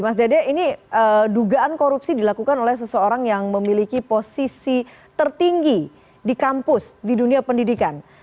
mas dede ini dugaan korupsi dilakukan oleh seseorang yang memiliki posisi tertinggi di kampus di dunia pendidikan